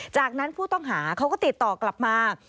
จากนั้นผู้ต้องหาเขาก็ติดต่อกลับมา